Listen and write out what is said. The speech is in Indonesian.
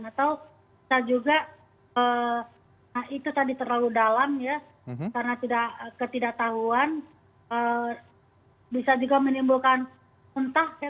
atau bisa juga nah itu tadi terlalu dalam ya karena ketidaktahuan bisa juga menimbulkan muntah